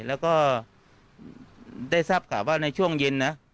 แล้วก็ได้ทราบข่าวว่าในช่วงเย็นนะ